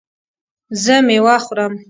زه میوه خورم